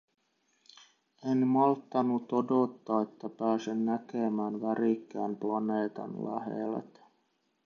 En malttanut odottaa, että pääsen näkemään värikkään planeetan läheltä.